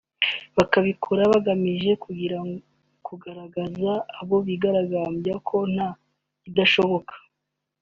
bakabikora bagamije kugaragariza abo bigaragambyaho ko nta kidashoboka